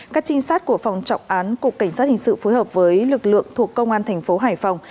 các trinh sát của phòng trọng án cục cảnh sát hình sự phối hợp với lực lượng thuộc công an thành phố hải phòng